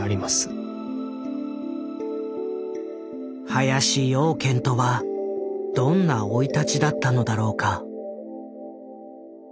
林養賢とはどんな生い立ちだったのだろうか。